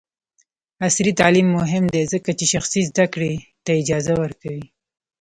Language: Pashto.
عصري تعلیم مهم دی ځکه چې شخصي زدکړې ته اجازه ورکوي.